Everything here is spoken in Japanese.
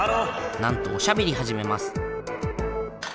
なんとおしゃべりはじめます